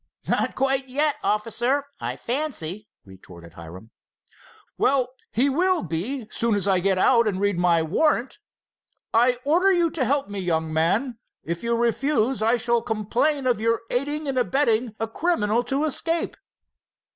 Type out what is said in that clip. "Not quite yet, officer, I fancy," retorted Hiram. "Well, he will be soon as I get out and read my warrant. I order you to help me, young man. If you refuse, I shall complain of your aiding and abetting a criminal to escape."